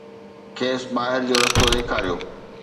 کيس ٻاهر جو رستو ڏيکاريو